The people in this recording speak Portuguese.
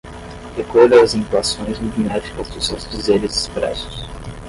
recolho as entoações milimétricas dos seus dizeres expressos